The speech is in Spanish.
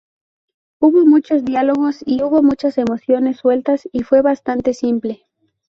Hubo muchos diálogos y hubo muchas emociones sueltas y fue bastante simple.